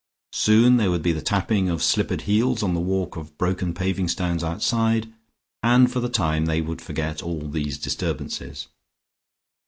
Soon there would be the tapping of slippered heels on the walk of broken paving stones outside, and for the time they would forget all these disturbances.